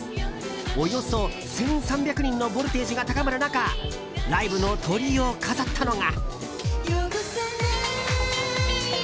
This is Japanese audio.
およそ１３００人のボルテージが高まる中ライブのトリを飾ったのが。